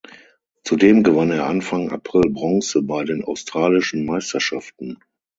Zudem gewann er Anfang April Bronze bei den Australischen Meisterschaften.